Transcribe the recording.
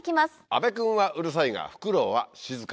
阿部君はうるさいがフクロウは静か。